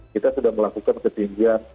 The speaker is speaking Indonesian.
kita sudah melakukan ketinggian